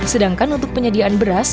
sedangkan untuk penyediaan beras